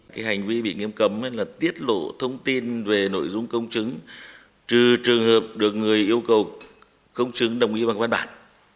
cái hành vi bị nghiêm cấm là tiết lộ thông tin về nội dung công chứng trừ trường hợp được người yêu cầu công chứng đồng ý bằng văn bản